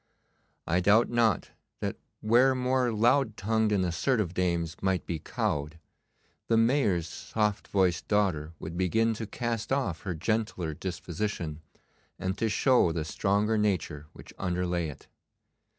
I doubt not that where more loud tongued and assertive dames might be cowed, the Mayor's soft voiced daughter would begin to cast off her gentler disposition, and to show the stronger nature which underlay it.